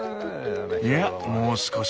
いやもう少し。